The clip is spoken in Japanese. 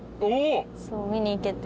見に行けて。